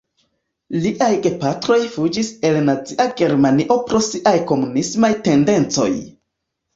Liaj gepatroj fuĝis el Nazia Germanio pro siaj komunismaj tendencoj.